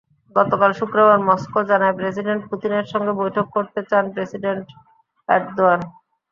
গতকাল শুক্রবার মস্কো জানায়, প্রেসিডেন্ট পুতিনের সঙ্গে বৈঠক করতে চান প্রেসিডেন্ট এরদোয়ান।